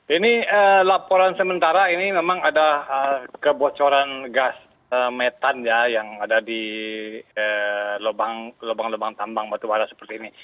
ini laporan sementara ini memang ada kebocoran gas metan ya yang ada di lubang lubang tambang batubara seperti ini